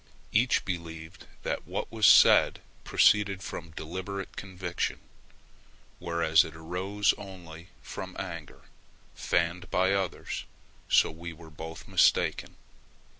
Each believed that what was said proceeded from deliberate conviction, whereas it arose only from anger, fanned by others; so we were both mistaken.